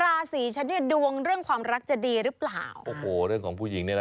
เอาล่ะแต่ว่ามาเจอกับ